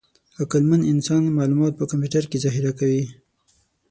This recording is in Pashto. عقلمن انسان معلومات په کمپیوټر کې ذخیره کوي.